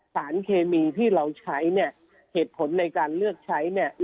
สารเคมีที่เราใช้เนี่ยเหตุผลในการเลือกใช้เนี่ย